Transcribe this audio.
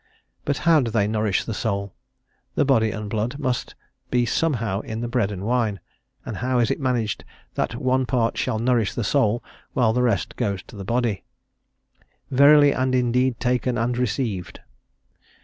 But how do they nourish the soul? The body and blood must be somehow in the bread and wine, and how is it managed that one part shall nourish the soul while the rest goes to the body? "verily and indeed taken and received."